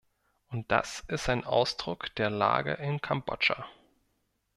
Und das ist ein Ausdruck der Lage in Kambodscha.